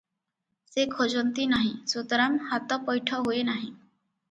ସେ ଖୋଜନ୍ତି ନାହିଁ, ସୁତରାଂ ହାତ ପୈଠ ହୁଏ ନାହିଁ ।